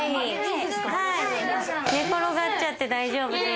寝転がっちゃって大丈夫です。